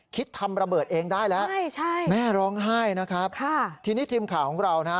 คิดทำระเบิดเองได้แล้วใช่ใช่แม่ร้องไห้นะครับค่ะทีนี้ทีมข่าวของเรานะฮะ